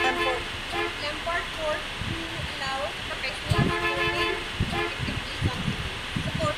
Lamport fought to allow professional sporting activities on Sundays.